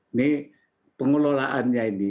ini pengelolaannya ini